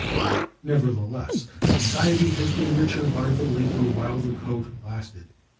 Nevertheless, society has been richer by the labor while the coat lasted.